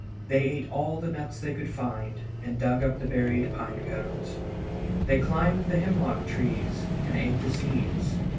They ate all the nuts they could find, and dug up the buried pine cones. They climbed the hemlock trees and ate the seeds.